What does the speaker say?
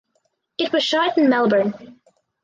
It was shot in Melbourne.